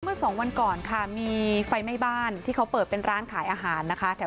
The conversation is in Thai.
เมื่อสองวันก่อนค่ะมีไฟไหม้บ้านที่เขาเปิดเป็นร้านขายอาหารนะคะ